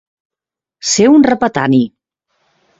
Ser un repatani.